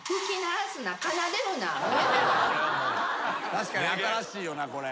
確かに新しいよなこれ。